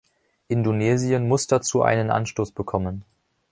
Indonesien muss dazu einen Anstoß bekommen.